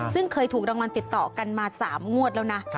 ซึ่งเคยถูกรางวัลติดต่อกันมา๓งวดแล้วนะ